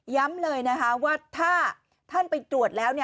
เลยนะคะว่าถ้าท่านไปตรวจแล้ว